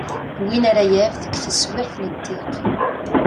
Win ara yaf deg teswiɛt n ddiq.